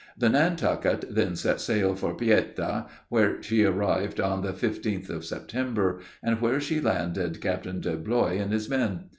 The Nantucket then set sail for Paita, where she arrived on the 15th of September, and where she landed Captain Deblois and his men.